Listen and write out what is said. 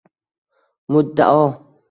muddao!